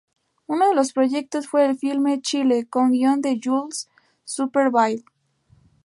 Uno de los proyectos fue el filme "Chile", con guion de Jules Supervielle.